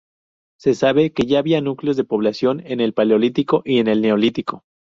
Se sabe que ya había núcleos de población en el Paleolítico y el Neolítico.